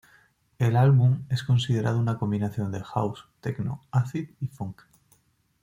El álbum es considerado una combinación de house, techno, acid y funk.